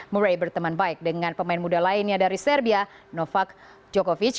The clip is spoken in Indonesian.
murray berteman baik dengan pemain muda lainnya dari serbia novak djokovic